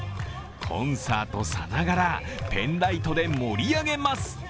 コンサートさながら、ペンライトで盛り上げます。